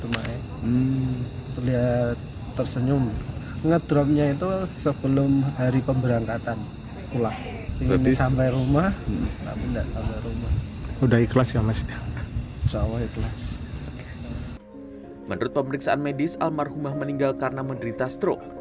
menurut pemeriksaan medis almarhumah meninggal karena menderita strok